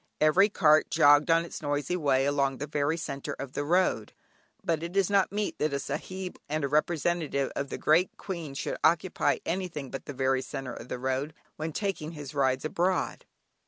Every cart jogged on its noisy way along the very centre of the road; but it is not meet that a Sahib and a representative of the great Queen should occupy anything but the very centre of the road when taking his rides abroad.